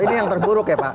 ini yang terburuk ya pak